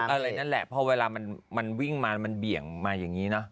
อะไรนั่นแหละเพราะเวลามันวิ่งมามันเบี่ยงมาอย่างนี้เนอะ